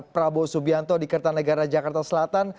prabowo subianto di kertanegara jakarta selatan